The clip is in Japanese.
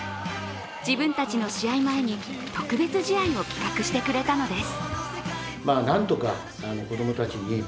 自分たちの試合前に特別試合を企画してくれたのです。